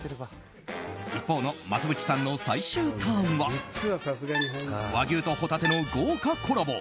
一方のますぶちさんの最終ターンは和牛とホタテの豪華コラボ